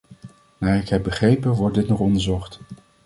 Naar ik heb begrepen, wordt dit nog onderzocht.